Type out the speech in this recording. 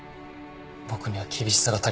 僕には厳しさが足りなかった。